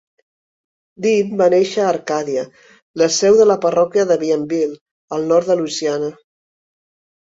Dean va néixer a Arcadia, la seu de la parròquia de Bienville, al nord de Louisiana.